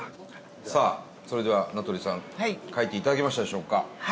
さあそれでは名取さん書いていただきましたでしょうか。